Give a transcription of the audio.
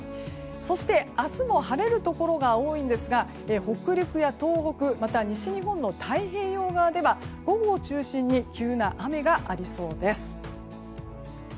そして、明日も晴れるところが多いんですが北陸や東北また西日本の太平洋側では午後を中心に急な雨がありそうです。